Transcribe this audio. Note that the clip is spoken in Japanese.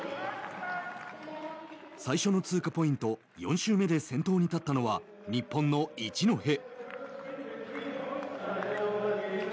最初の通過ポイント４周目で先頭に立ったのは日本の一戸。